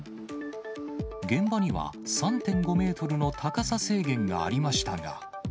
現場には３．５メートルの高さ制限がありましたが。